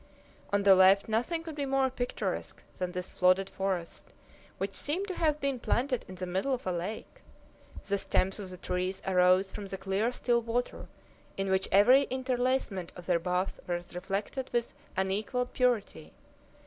On the left nothing could be more picturesque than this flooded forest, which seemed to have been planted in the middle of a lake. The stems of the trees arose from the clear, still water, in which every interlacement of their boughs was reflected with unequaled purity.